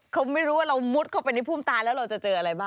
เขาไม่รู้ว่าเรามุดเข้าไปในพุ่มตาแล้วเราจะเจออะไรบ้าง